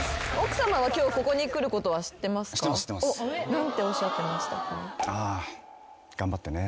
何ておっしゃってましたか？